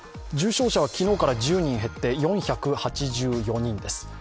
重症者は昨日から１０人減って４８４人です。